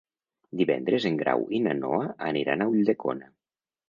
Divendres en Grau i na Noa aniran a Ulldecona.